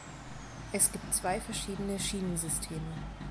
Es gibt zwei verschiedene Schienen-Systeme.